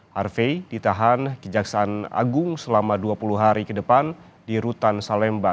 harvey ditahan kejaksaan agung selama dua puluh hari ke depan di rutan salemba